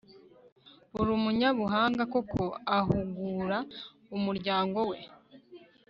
uri umunyabuhanga koko, ahugura umuryango we